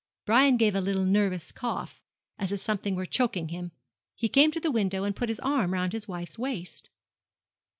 Brian gave a little nervous cough, as if something were choking him. He came to the window, and put his arm round his wife's waist.